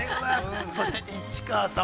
◆そして、市川さん